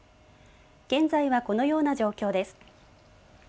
現在はこのような状況です。